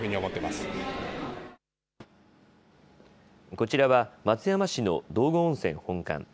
こちらは松山市の道後温泉本館。